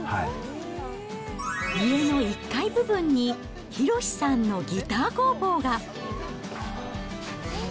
家の１階部分に浩さんのギター工房が。